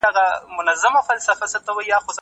اوسنۍ ټولنه تر پخوا ډیره بدله سوې ده.